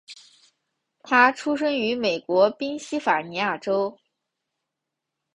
他出生于美国宾夕法尼亚州。